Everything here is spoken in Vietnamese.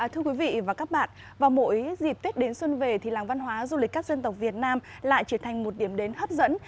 thưa quý vị và các bạn vào mỗi dịp tết đến xuân về thì làng văn hóa du lịch các dân tộc việt nam lại trở thành một điểm đến hấp dẫn